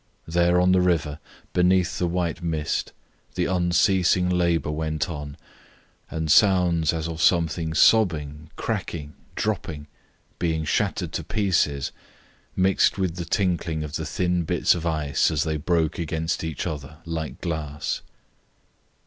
There on the river, beneath the white mist, the unceasing labour went on, and sounds as of something sobbing, cracking, dropping, being shattered to pieces mixed with the tinkling of the thin bits of ice as they broke against each other like glass.